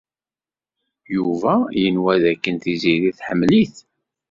Yuba yenwa dakken Tiziri tḥemmel-it.